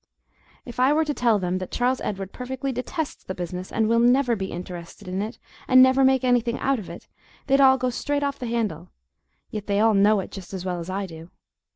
If I were to tell them that Charles Edward perfectly detests the business, and will NEVER be interested in it and never make anything out of it, they'd all go straight off the handle; yet they all know it just as well as I do.